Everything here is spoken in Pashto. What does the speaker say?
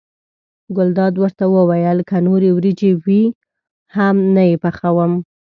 ګلداد ورته وویل که نورې وریجې وي هم نه یې پخوم.